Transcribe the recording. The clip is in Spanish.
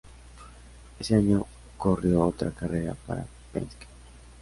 Ese año corrió otra carrera para Penske.